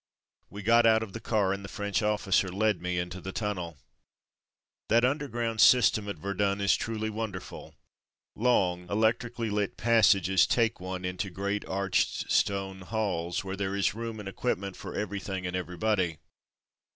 We got out of the car and the French officer led me into the tunnel. That underground system at Verdun is truly wonderful. Long, electrically lit pas sages take one into great arched stone halls where there is room and equipment 192 From Mud to Mufti for everything and everybody.